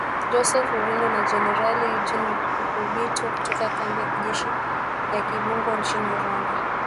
Joseph Rurindo na Jenerali Eugene Nkubito kutoka kambi ya kijeshi ya Kibungo nchini Rwanda